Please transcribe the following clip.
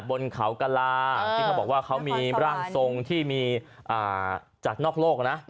บนเขากลาที่เขาบอกว่าเขามีร่างทรงที่มีจากนอกโลกนะ